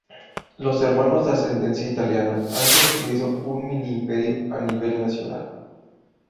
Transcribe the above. Los hermanos, de ascendencia italiana, han construido un mini imperio a nivel nacional.